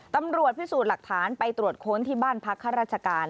ตำรวจพิสูจน์หลักฐานไปตรวจค้นที่บ้านพักข้าราชการ